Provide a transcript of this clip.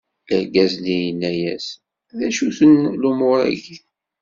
Argaz-nni yenna-as: D acu-ten lumuṛ-agi?